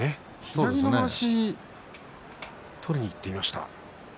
左のまわしを取りに行っていました。